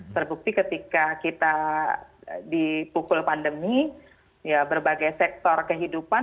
terbukti ketika kita dipukul pandemi ya berbagai sektor kehidupan